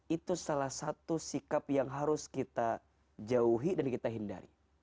itu salah satu sikap yang harus kita jauhi dan kita hindari